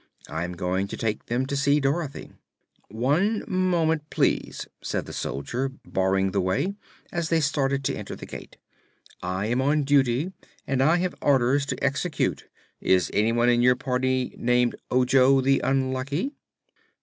I am going to take them to see Dorothy." "One moment, please," said the soldier, barring their way as they started to enter the gate. "I am on duty, and I have orders to execute. Is anyone in your party named Ojo the Unlucky?"